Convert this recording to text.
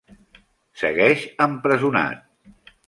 Segueix empresonat.